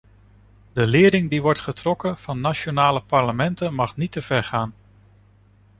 De lering die wordt getrokken van nationale parlementen mag niet te ver gaan.